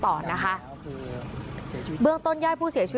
ผมยังอยากรู้ว่าว่ามันไล่ยิงคนทำไมวะ